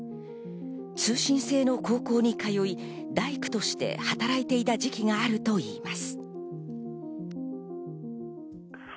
通信制の高校に通い、大工として働いていた時期があるといいます。